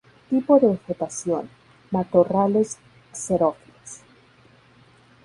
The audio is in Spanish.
Tipo de vegetación, matorrales xerófilos.